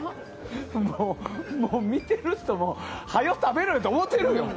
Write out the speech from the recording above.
もう見てる人もはよ食べろと思ってるよ。